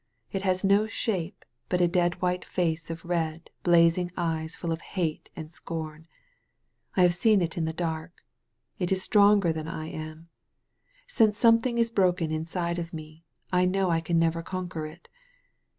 It has no shape, but a dead white face and red, blazing ^es full of hate and scorn. I have seen it in the dark. It is stronger than I am. Since something is broken inside of me, I know I can never conquer it.